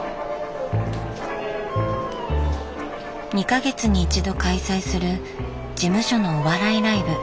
２か月に一度開催する事務所のお笑いライブ。